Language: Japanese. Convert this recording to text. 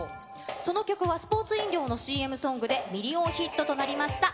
その曲はスポーツ飲料のＣＭソングで、ミリオンヒットとなりました。